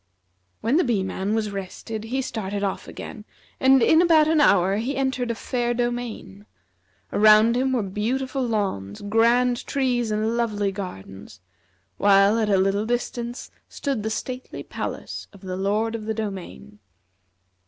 '" When the Bee man was rested he started off again, and in about an hour he entered a fair domain. Around him were beautiful lawns, grand trees, and lovely gardens; while at a little distance stood the stately palace of the Lord of the Domain.